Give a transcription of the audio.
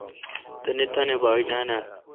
تنی تانی باگ نان اؘ۔